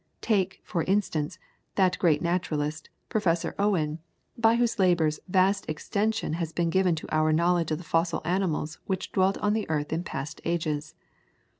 Take, for instance, that great naturalist, Professor Owen, by whose labours vast extension has been given to our knowledge of the fossil animals which dwelt on the earth in past ages.